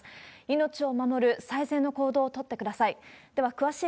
命を守る最善の行動を取ってください。